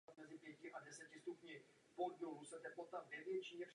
Celý život shromažďoval písně pro svůj kancionál.